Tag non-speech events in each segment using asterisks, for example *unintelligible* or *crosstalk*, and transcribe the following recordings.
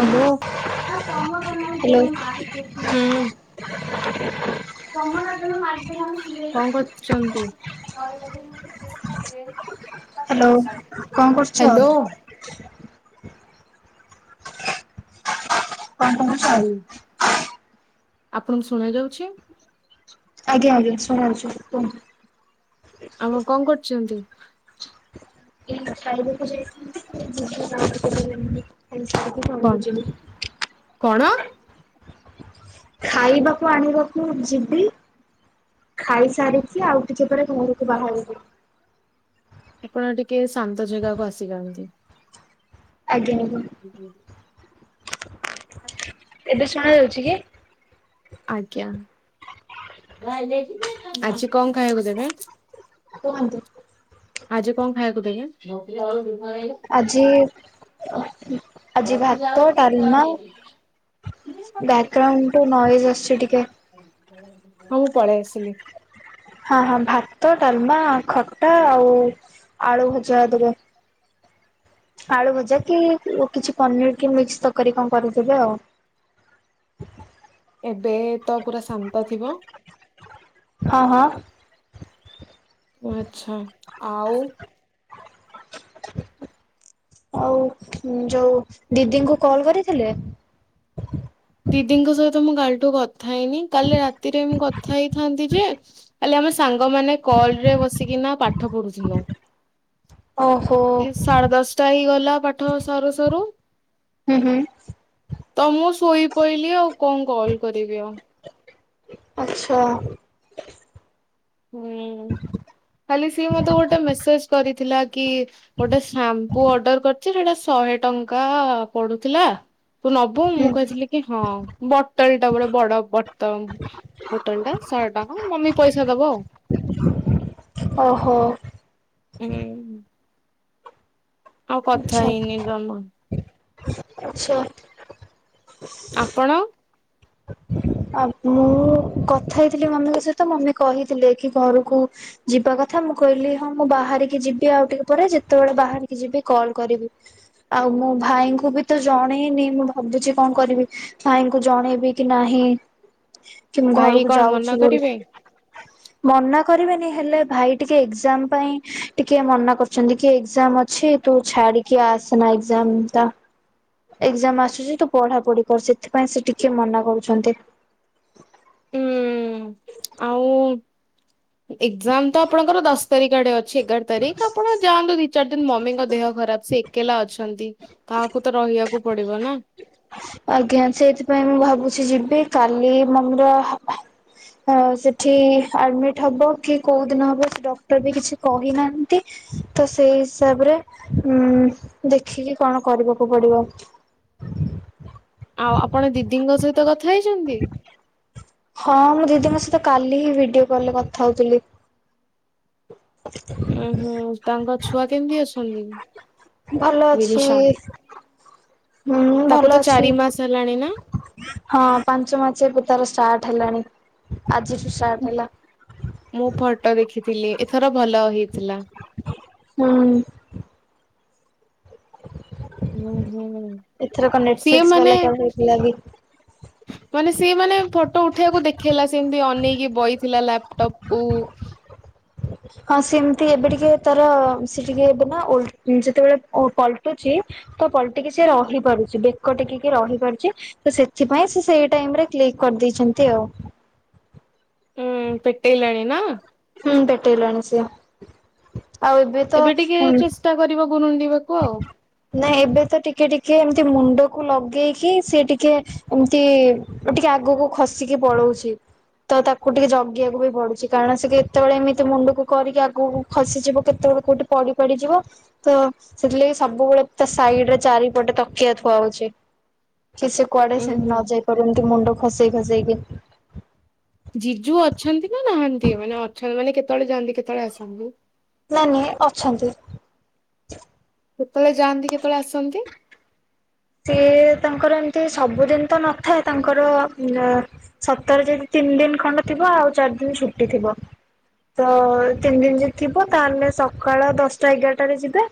Hello ହୁ hello *inaudible* କଣ କରୁଚନ୍ତି? ହ୍ୟାଲୋ କଣ ହ୍ୟାଲୋ କରୁଛ? ବାପାଙ୍କ ସ ଆପଣଙ୍କୁ ଶୁଣା ଯାଉଛି? ଆଜ୍ଞା ଆଜ୍ଞା ଶୁଣହୋଉଛୁ କୁହନ୍ତୁ। ଆମ କଣ କରୁଛନ୍ତି? ଏ ଖାଇବାକୁ ଯାଇଛନ୍ତି କି? *unintelligible* ଖାଇକି କଣ ଘରୁକୁ ଯିବି କଣ? ଖାଇବାକୁ ଆଣିବାକୁ ଯିବି। ଖାଇସାରିଛି ଆଉ ଟିକେ ପରେ ଘରକୁ ବାହାରିବି। ଆପଣ ଟିକେ ଶାନ୍ତ ଜାଗାକୁ ଆସିଯାନ୍ତି। ଆଜ୍ଞା। ଆଜ୍ଞା *unintelligible* ଆ *unintelligible* ଏବେ ଶୁଣା ଯାଉଛି କି? ଆଜ୍ଞା ଆଜି କଣ ଖାଇବାକୁ ଦେବେ? କୁହନ୍ତୁ? ଆଜି କଣ ଖାଇବାକୁ ଦେଵେ? ଆଜି ହ ସେ ଯା *unintelligible* ବ୍ୟାକଗ୍ରାଉଣ୍ଡୁ ନଏଜ ଆସଛି ଟିକେ ହଁ ମୁଁ ପଳେଇ ଆସିଲି। ହଁ ହଁ ଭାତ ଡାଲମା ଖଟା ଆଉ ଆଳୁ ଭଜା ଦେବେ। ଆଳୁ ଭଜା କି କିଛି ପନିର କି ମିକ୍ସ ତରକାରୀ କଣ କରିଦବେ ଆଉ। *inaudible* ଏବେ ତ ପୁରା ଶାନ୍ତ ଥିବ? ହଁ ହଁ। ଆଛା ଆଉ *inaudible* ଆଉ ଯୋଉ ଦିଦିଙ୍କୁ କଲ କରିଥିଲେ? ଦିଦିଙ୍କ ସହିତ ମୁଁ କାଲିଠୁ କଥା ହେଇନି କାଲି ରାତିରେ ମୁ କଥା ହେଇଥାନ୍ତି ଯେ ଖାଲି ଆମ ସାଙ୍ଗମାନେ କଲ ରେ ବସିକିନା ପାଠ ପଢୁଥିଲୁ। *inaudible* ଓହୋ ଏ ସାଢେ ଦଶଟା ହେଇ ଗଲା ପାଠ ସରୁ ସରୁ ହୁଁ ହୁଁ ତମ ଶୋଇ ପଇଲି ଆଉ କଣ କରିପାରିବି ଆଉ ଆଚ୍ଛା। ହୁଁ କାଲି ସିଏ ମତେ ଗୋଟେ ମେସେଜ କରିଥିଲା କି ଗୋଟେ ସାମ୍ପୁ ଅର୍ଡର କରିଛି ସେଟା ଶହେ ଟଙ୍କା ପଡୁଥିଲା ତୁ ନବୁ ହୁଁ ମୁଁ କହିଥିଲି କି ହଁ ବଟଲ ଟା ଗୋଟେ ବଡ ବତ ବଟଲ ଟା ଟା ମମି ପଇସା ଦବ ଆଉ। ଓହୋ। ହୁଁ। ଆଉ କଥା ଆଚ୍ଛା ହେଇନି ଜମା। ଆଚ୍ଛା। ଆପଣ? ଆ ମୁଁ କଥା ହେଇଥିଲି ମମିଙ୍କ ସହିତ ମମି କହିଥିଲେ କି ଘରକୁ ଜି ଯିବା କଥା ମୁଁ କହିଲି ହଁ ମୁଁ ବାହାରିକି ଯିବି ଆଉ ଟିକେ ପରେ ଯେତେବେଳେ ବାହାରିକି ଯିବି କଲ କରିବି। ଆଉ ମୁ ଭାଇଙ୍କୁ ବି ତ ଜଣେଇନି ମୁଁ ଭାବୁଛି କଣ କରିବି ଭାଇଙ୍କୁ ଜଣେଇବି କି ନାହିଁ କି ମୁଁ ଭାଇ ଘରକୁ କଣ ମନା ଯାଉଛି ବୋଲି। କରିବେ? ମନା କରିବେନି ହେଲେ ଭାଇ ଟିକେ ଏକ୍ଜାମ ପାଇଁ ଟିକେ ମନା କରୁଛନ୍ତି କି ଏକ୍ଜାମ ଅଛି ତୁ ଛାଡ଼ିିକି ଆସେନା ଏଗଜାମ ଟା ଏଗଜାମ ଆସୁଛି ତୁ ପଢାପଢି କରୁ ସେଥିପାଇଁ ସେ ଟିକେ ମନା କରୁଛନ୍ତି। ହ ଆଉ ଏଗଯାମ୍ ତ ଆପଣଙ୍କର ଦଶ ତାରିଖ ଆଡେ ଅଛି ଏଗାର ତାରିଖ ଆପଣ ଯାଆନ୍ତୁ ଦି ଚାରି ଦିନ ମମିଙ୍କ ଦେହ ଖରାପ ସେ ଏକେଲା ଅଛନ୍ତି କାହାକୁ ତ ରହିବାକୁ ପଡିବ ନା? ଆଜ୍ଞା ସେଇଥିପାଇଁ ମୁଁ ଭାବୁଛି ଯିବି କାଲି ମମିର ସେଠି ଆଡମିଟ ହବ କି କୋଉ ଦିନ ହବ ସେ ଡକ୍ଟର ବି କିଛି କହିନାହାନ୍ତି ତ ସେଇ ହିସାବରେ ଉଁ ଦେଖିକି କଣ କରିବାକୁ ପଡିବ। ହ। ଆଉ ଆପଣ ଦିଦିଙ୍କ ସହିତ କଥା ହେଇଛନ୍ତି? ହଁ ମୁଁ ଦିଦିଙ୍କ ସହିତ କାଲିହି ଭିଡିଓ କଲ ରେ କଥା ହୋଉଥିଲି। ଓ ହୋ ତାଙ୍କ ଛୁଆ କେମିତି ଅଛନ୍ତି? ଭଲ ଅଛି। ବିନିଶା ହୁଁ ତାକୁ ତ ଭଲ ଅଛି ଚାରି ମାସ ହେଲାଣି ନା ହଁ ପାଞ୍ଚ ମାଛେ ପିତା ତାର ଷ୍ଟାର୍ଟ ହେଲାଣି ଆଜିଠୁ ଷ୍ଟାର୍ଟ ହେଲା। ଥିଲି ଏଥର ଭଲ ହେଇଥିଲା। ହୁଁ ହୁଁ ହୁଁ ଏଥରକ ସିଏ ନେଟଫ୍ଲିକ୍ସ ମାନେ ବାଲା କ ହେଇଥିଲା ବି ମାନେ ସି ମାନେ ଫଟୋ ଉଠେଇବାକୁ ଦେଖେଇଲା ସେମିତି ଅନେଇକି ବଇଥିଲା ଲାପଟପ କୁ *inaudible* ହଁ ସେମତି ଏବେ ଟିକେ ତାର ସେ ଟିକେ ଏବେ ନା ଓଲ୍ ଯେତେବେଳେ ଓ ପଲଟୁଛି ତ ପଲ ଟିକି ସେ ରହି ପାରୁଛି ବେକ ଟେକିକି ରହି ପାରୁଛି ତ ସେଥିପାଇଁ ସେ ସେଇ ଟାଇମରେ କ୍ଳି କରିଦେଇଛନ୍ତି ଆଉ। ହୁଁ ପେଟେଇଲାଣି ନା? ହୁଁ ପେଟେଇଲାଣି ସିଏ ଆଉ ଏବେ ତ ଟିକେ ଉଁ ଚେଷ୍ଟା କରିବ ଗୁରୁଣ୍ଡିବାକୁ ଆଉ। ଇ ଏବେ ତ ଟିକେ ଟିକେ ଏମତି ମୁଣ୍ଡକୁ ଲଗେଇକି ସେ ଟିକେ ଏମତି ଟିକେ ଆଗକୁ ଖସିକି ପଳଉଛି। ତ ତାକୁ ଟିକେ ଜଗିବାକୁ ବି ପଡୁଛି କାରଣ ସେ କେତେବେଳେ ଏମିତି ମୁଣ୍ଡକୁ କରିକି ଆଗକୁ ଖସିଯିବ କେତେବେ କୋଉଠି ପଡି ପଡିିଯିବ ତ ସେଥିଲାଗି ସବୁବେଳେ ତା ସାଇଡରେ ଚାରିପଟେ ତକିଆ ଥୁଆ ହଉଛି। କି ସେ କୁଆଡେ ଉୁଁ ସେମିତି ହୁଁ ନ ଯାଇ ପାରୁନ୍ ମୁଣ୍ଡ ଖସେଇ ଖସେଇକି। ଜିଜୁ ଅଛନ୍ତି ନା ନାହାନ୍ତି ମାନେ ଅଛନ୍ତି ମାନେ କେତେବେଳେ ଯାଆନ୍ତି କେତେବେଳେ ଆସନ୍ତୁ? ନାଇ ନାଇଁ ଅଛନ୍ତି। କେତେବେଳେ ଯାଆନ୍ତି କେତେବେଳେ ଆସନ୍ତି? ସେ ତାଙ୍କର ଏମତି ସବୁଦିନ ତ ନଥାଏ ତାଙ୍କର ସପ୍ତାହରେ ଯଦି ତିନି ଦିନ ଖଣ୍ଡ ଥିବ ଆଉ ଚାରି ଦିନ ଛୁଟି ଥିବ। ତ ତିନି ଦିନ ଯ ଥିବ ତାହେଲେ ସକାଳ ଦଶଟା ଏଗାରଟାରେ ଯିବେ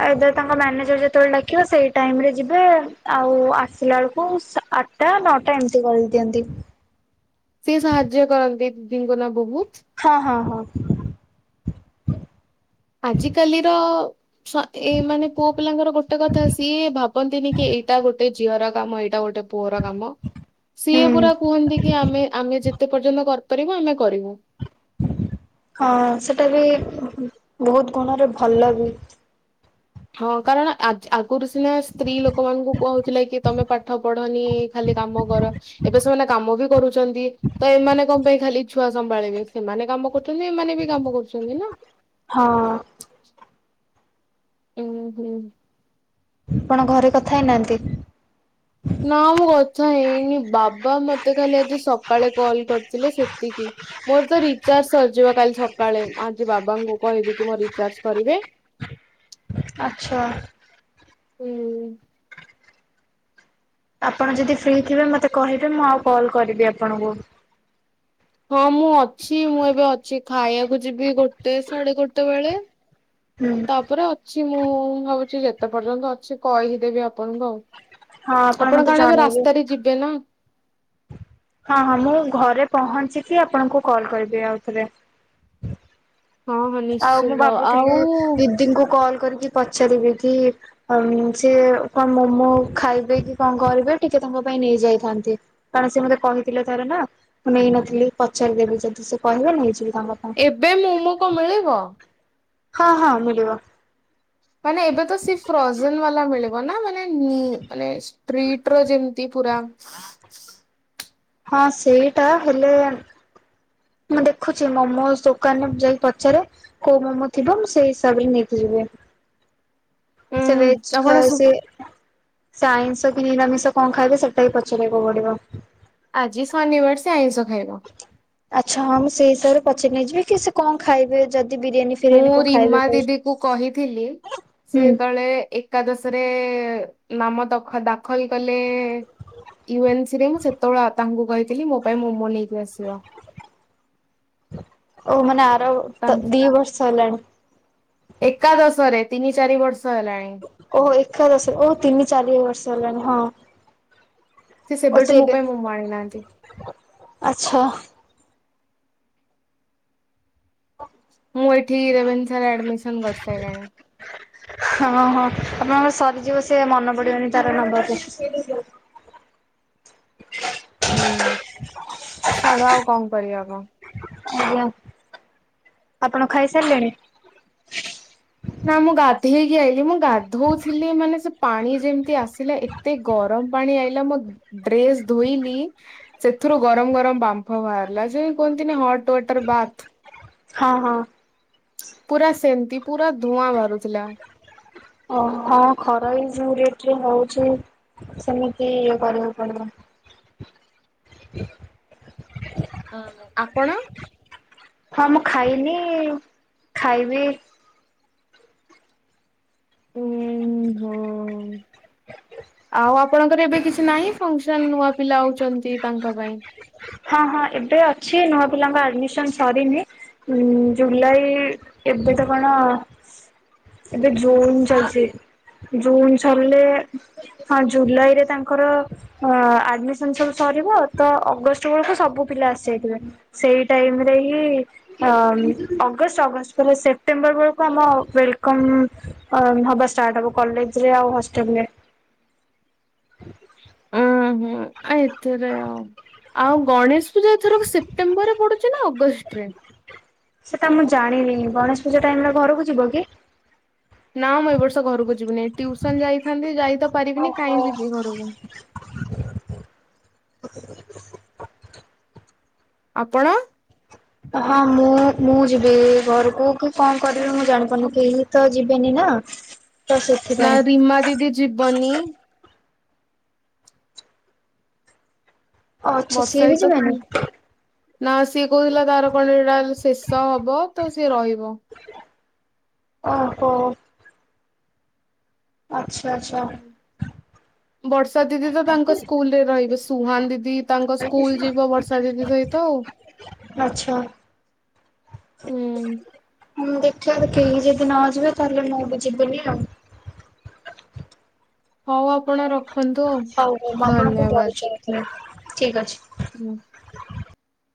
ଆଉ ଏବେ ତାଙ୍କ ମ୍ୟାନେଜର ଯେତେବେଳେ ଡାକିବ ସେଇ ଟାଇମ ରେ ଜି *unintelligible* ଆଉ ଆସିଲା ବେଳକୁ ଆଠଟା ନଅଟା ଏମିତି କରିଦିଅନ୍ତି। ସିଏ ସାହାଯ୍ୟ କରନ୍ତି ଦିଦିଙ୍କୁ ନା ବୋହୁ? ହଁ ହଁ ହଁ। ଆଜିକାଲିର ଏ ମାନେ ପୁଅ ପିଲାଙ୍କର ଗୋଟେ କଥା, ସିଏ ଭାବନ୍ତିନି କି ଏଇଟା ଗୋଟେ ଟେ, ଝିଅର କାମ, ଏଇଟା ଗୋଟେ ପୁଅର କାମ, ହୁଁ ସିଏ ପୁରା କୁହନ୍ତି, କି ଆମେ, ଆମେ ଯେତେ ପର୍ଯ୍ୟନ୍ତ କରିପାରିବୁ ଆମେ କରିବୁ। ହଁ ସେଟା ବି ବହୁତ ଗୁଣରେ ଭଲ ବି। ହଁ କାରଣ, ଆ-ଆଗରୁ ସିନା ସ୍ତ୍ରୀ ଲୋକମାନଙ୍କୁ କୁହାହେଉଥିଲା, କି ତମେ ପାଠ ପଢନି। ଖାଲି କାମ କର, ଏବେ ସେମାନେ କାମ ବି କରୁଛନ୍ତି। ତ ଏମାନେ କଣ ପାଇଁ ଖାଲି ଛୁଆ ସମ୍ଭାଳିବେ, ସେମାନେ କାମ କରୁଛନ୍ତି, ଏମାନେ ବି କାମ କରୁଛନ୍ତି ଛନ୍ତି ନା। ହଁ। ହୁଁ, ହୁଁ। ଆପଣ ଘରେ କଥା ହେଇନାହାନ୍ତି? ତ ହେଇନି, ବାବା ମତେ ଖାଲି, ଆଜି ସକାଳେ କଲ କରିଥିଲେ, ସେତିକି ମୋର ତ ରିଚାର୍ଜ ସରିି ଜୀବ, କାଲି ସକାଳେ। ଆଜି ବାବାଙ୍କୁ କହିବି କି ମୋ ରିଚାର୍ଜ କରିବେ ଆଛା। ହୁଁ। ଆପଣ ଯଦି ଫ୍ରି ଥିବେ ମତେ କହିବେ। ମୁଁ ଆଉ କଲ୍ କରିବି ଆପଣଙ୍କୁ। ହଁ ମୁଁ ଅଛି ।ମୁଁ ଏବେ ଅଛି ଖାଇବାକୁ ଯିବି ଗୋଟେ, ସାଢେ ଗୋଟେ ବେଳେ ହୁଁ ତାପରେ ଅଛି ମୁଁ ଭାବୁଛି, ଯେତେ ପର୍ଯ୍ୟନ୍ତ ଅଛି, କହିଦେବି ଆପଣଙ୍କୁ ଆଉ। ହଁ ଆପଣ ମତେ କଣ, ଏବେ ଜଣେଇବେ। ରାସ୍ତାରେ ଯିବେ ନା? ହଁ, ହଁ, ।ମୁଁ ଘରେ ପହଞ୍ଚିକି, ଆପଣଙ୍କୁ କଲ କରିବି ଆଉଥରେ। ହଁ ହଁ ଆଉ ମୁଁ ନିଶ୍ଚିନ୍ତ ଆଉ ଭାବୁଥିଲି, ଦିଦିଙ୍କୁ କଲ କରିକି ପଚାରିବି କି? ଅ, ସେ କଣ ମୋମୋ ଖାଇବେ କି? କଣ, କରିବେ ଟିକେ ତାଙ୍କ ପାଇଁ ନେଇଯାଇଥାନ୍ତି । କାରଣ ସେ ମତେ କହିଥିଲେ, ଥରେ ନା। ମୁଁ ନେଇନଥିଲି, ପଚାରିଦେଲିି ଯଦି ସେ କହିବା ନେଇଯିବି। ତାଙ୍କ ପାଇଁ। ଏବେ ମୋମୋ କଣ, ମିଳିବ? ହଁ, ହଁ ମିଳିବ। ମାନେ ଏବେ ତ ସିକ୍ସ ପ୍ରଜନ ବାଲା ମିଳିବ, ନା ମାନେ ମାନେ ଷ୍ଟ୍ରୀଟ୍ ର ଯେମତି ପୁରା ହଁ ସେଇଟା ହେଲେ ମୁଁ ଦେଖୁଛି ମୋମୋସ୍, ଦୋକାନରେ ଯାଇ ପଚାରେ, କୋଉ ମୋମୋ ଥିବ। ମୁଁ ସେଇ ହିସାବରେ, ନେଇକି ଯିବି। ସେ ଉଁ ସେବେେଜ ଆପଣ ଖା *unintelligible* ସୁ ସେ ଆଇନ୍ସ କି ନିରାମିଷ, କଣ ଖାଇବେ ସେଟା ବି ପଚାରିବାକୁ ପଡିବ। ଆଜି ଶନିବାର, ସେ ଆଇଁଷ ଖାଇବା। ଆଚ୍ଛା ହଁ। ମୁଁ ସେଇ ହିସାବରେ ପଚାରିକି ନେଇଯିବି ।କି ସେ କଣ ଖାଇବେ ଯଦି ବିରିୟାନୀ ଫିରିୟାନୀ ମୁଁ କଣ ଖାଇବେ ରିମା କହିବେ ଦିଦି କୁ, କହିଥିଲି। ସେ ହୁଁ ତଳେ ଏକାଦଶ ରେ, ନାମ ଦଖ-ଦାଖଲ କଲେ ୟୁ ଏନ୍ ସି ରେ, ମୁଁ ସେତେବେଳେ ତାଙ୍କୁ କହିଥିଲି, ମୋ ପାଇଁ ମମୋ ନେଇକି ଆସିବ। ଓ ମାନେ ତ ଦି ବର୍ଷ ହେଲାଣି। ତା-ଏକାଦଶରେ ତିନି, ଚାରି ବର୍ଷ ହେଲାଣି ଓହୋ, ଏକାଦଶ ଓ ତିନି, ଚାରି ବର୍ଷ ହେଲାଣି ।ହଁ ସେ ଓ ସେବେଠୁ, ମୋ ଏବେ ପାଇଁ ମୋମୋ ଆଣି ନାହାନ୍ତି। ଆଚ୍ଛା ମୁଁ ଏଠି ରେଭେନ୍ସା ରେ, ଆଡମିସନ କରିସାରିଲିଣି। ହଁ ହଁ, ଆପଣଙ୍କର ସରିଯିବ, ସେ ମନେ ପଡିବନି ତାର ନବାକୁ। *inaudible* ହୁଁ। ହ। ଆଜ୍ଞା। ଆପଣ ଖାଇସାରିଲେଣି? ନା ମୁଁ ଗାଧେଇକି ଆଇଲିି ।ମୁଁ ଗାଧଉଥିଲି, ମାନେ ସେ ପାଣି ଯେମିତି ଆସିଲା, ଏତେ ଗରମ ଗରମ୍ ପାଣି ଆଇଲା, ମୋ ଡ୍ରେସ ଧୋଇଲି, । ସେଥିରୁ ଗରମ, ଗରମ ବାମ୍ଫ ବାହାରିଲା ।ଯୋ କୁହନ୍ତିନି ହଟୱାଟର ବାଥ ହଁ ହଁ। ପୁରା ସେମିତି ପୁରା ଧୂଆଁ ବାହାରୁଥିଲା। ଓ ହଁ ଖରାୋଇ ଯୋଉ ରେଟ ରେ ହଉଛି ସେମିତି ଇଏ କରିବାକୁ ପଡିବ। *inaudible* ହଁ ଆପଣ? ହଁ ମୁଁ ଖାଇନି ଖାଇବି ଉଁ *inaudible* ହୁଁ। ଆଉ ଆପଣଙ୍କର ଏବେ କିଛି ନାହିଁ ଫଙ୍କସନ ନୂଆ ପିଲା ହୋଉଚନ୍ତି ତାଙ୍କ ପାଇଁ? ହଁ ହଁ ଏବେ ଅଛି ନୂଆ ପିଲାଙ୍କ ଆଡମିସନ ସରିନି ଜୁଲାଇ ଏବେ ତ କଣ ଏବେ ଜୁନ ଚାଲିଛି। ଜୁନ ଜୁଲାଇରେ ତାଙ୍କର ଆଡମିଶନ୍ ସବୁ ସଇ କରିବ ତ ଅଗଷ୍ଟ କୁ ସବୁ ପିଲା ଆସି ଯାଇଥିବେ। ସେଇ ଟାଇମ ରେ ହିଁ ଅଗଷ୍ଟ ଅଗଷ୍ଟ ସେପ୍ଟେମ୍ବର ବେଳକୁ ଆମ ୱଲ ହାର୍ଟ ହବ କଲେଜରେ ଆଉ ହଷ୍ଟେଲରେ। ଉଁ ହୁଁ ଆ ଏଥିରେ ଆଉ ଆଉ ଗଣେଶ ପୂ ଏଥର ସେପ୍ଟେମ୍ବର ରେ ପଡୁଚି ନା ଅଗଷ୍ଟ ରେ ସେଟା ମୁଁ ଜାଣିନି ଗଣେଶ ପୂଜା ଟାଇମ୍ ରେ ଘରକୁ ଯିବ କି ନା ମୁଁ ଏ ବର୍ଷ ଘରକୁ ଯିବିନି ଟିୟୁସନ ଯାଇଥାନ୍ତି ଯାଇ ତ ପାରିବିନି କଇଁ ଓହୋ ଯିବି ଘରକୁ ଆପଣ ହଁ ମୁଁ ମୁଁ ଯିବି ଘରକୁ କି କଣ କରିବି ମୁଁ ଜାଣିପାରୁନି କି ଏଇ ଭିତରେ ଯିବେନି ନା ହଁ। ନା ରିମା ଦିଦି ଯିବନି ଆଚ୍ଛା ସିଏ ବର୍ଷା ହି ବି ତ ଯିବେନି ନା ସିଏ କହୁଥିଲା ତାର କଣଟା ଶେଷ ହେବ। ତ ସିଏ ରହିବ। ଓହୋ। ଆଛା ଆଛା। ବର୍ଷା ଦିଦି ତ ତାଙ୍କ ସ୍କୁଲରେ ରହିବେ ସୁହାନ ଦିଦି ତାଙ୍କ ସ୍କୁଲ ଯିବ ବର୍ଷା ଦିଦି ସହିତ ଆଉ ଆଛା। ହୁଁ। ମୁଁ ଦେଖିବା କେହି ଯଦି ନ ଯିବେ ତାହେଲେ ମୁଁ ବି ଯିବିନି ଆଉ ହୋଉ ଆଉ। ହଉ ହଉ ମୁଁ ଆପଣଙ୍କୁ ଧନ୍ୟବାଦ। ପରିଚୟ ହୁଁ, କରିବି ଠିକ ହୁଁ। ଅଛି।